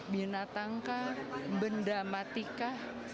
binatang kah benda mati kah